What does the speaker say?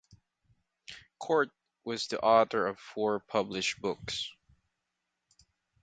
Kort was the author of four published books.